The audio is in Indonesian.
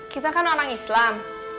kita kan orang islam